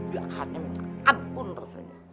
biar hanya minta ampun rasanya